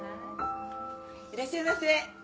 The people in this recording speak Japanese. いらっしゃいませ